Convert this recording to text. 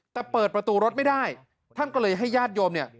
แต่เปิดประตูรถไม่ได้ท่านก็เลยให้ญาติโยมเนี่ย